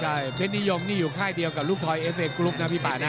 ใช่เพชรนิยมนี่อยู่ค่ายเดียวกับลูกทอยเอสเวกรุ๊ปนะพี่ป่านะ